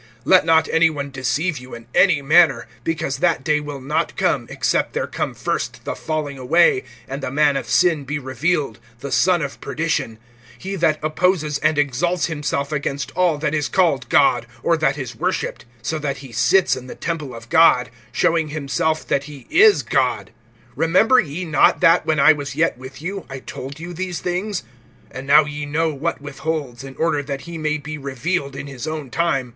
(3)Let not any one deceive you in any manner; because [that day will not come], except there come first the falling away, and the man of sin be revealed, the son of perdition; (4)he that opposes and exalts himself against all that is called God, or that is worshiped; so that he sits in the temple of God, showing himself that he is God. (5)Remember ye not, that, when I was yet with you, I told you these things? (6)And now ye know what withholds, in order that he may be revealed in his own time.